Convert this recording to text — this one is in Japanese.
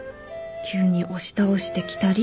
急に押し倒してきたり。